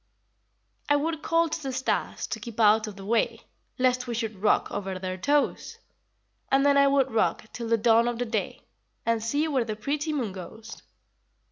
I would call to the stars To keep out of the way Lest we should rock over their toes; And then I would rock Till the dawn of the day, And see where the pretty moon goes.